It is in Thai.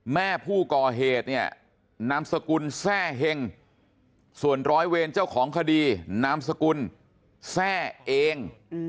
แม่ผู้ก่อเหตุเนี่ยนามสกุลแทร่เห็งส่วนร้อยเวรเจ้าของคดีนามสกุลแทร่เอง